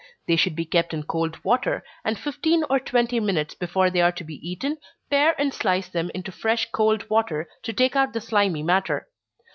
They should be kept in cold water, and fifteen or twenty minutes before they are to be eaten, pare and slice them into fresh cold water, to take out the slimy matter.